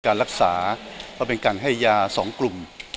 การรักษาเพราะเป็นการให้ยา๒กลุ่ม